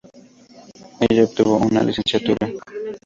Ella obtuvo una Licenciatura.